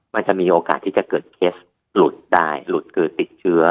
มันจะมีโอกาสที่จะเกิดเคสหลุดได้หลุดคือติดเชื้อ